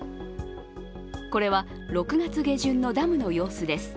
これは６月下旬のダムの様子です。